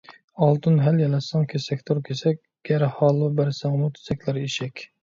ئالتۇن ھەل يالاتساڭ كېسەكتۇر كېسەك، گەر ھالۋا بەرسەڭمۇ تېزەكلەر ئېشەك.